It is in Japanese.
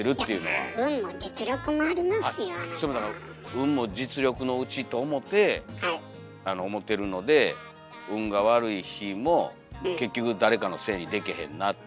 運も実力のうちと思てあの思てるので運が悪い日も結局誰かのせいにでけへんなっていう。